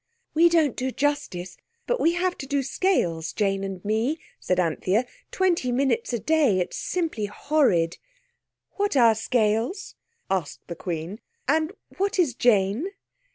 "We don't do justice, but we have to do scales, Jane and me," said Anthea, "twenty minutes a day. It's simply horrid." "What are scales?" asked the Queen, "and what is Jane?"